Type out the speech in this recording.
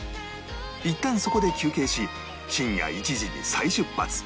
いったんそこで休憩し深夜１時に再出発